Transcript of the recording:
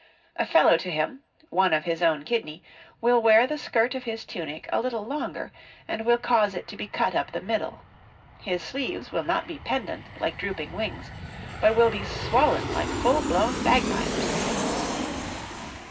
A fellow to him, one of his own kidney, will wear the skirt of his tunic a little longer, and will cause it to be cut up the middle; his sleeves will not be pendant, like drooping wings, but will be swollen like full blown bagpipes.